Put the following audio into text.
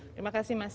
terima kasih mas